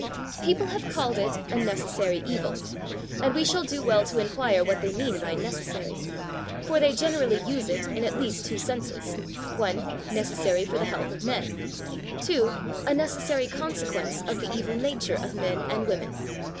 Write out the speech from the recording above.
People have called it a "necessary evil," and we shall do well to inquire what they mean by "necessary," for they generally use it in at least two senses: (1) necessary for the health of men; (2) a necessary consequence of the evil nature of men and women.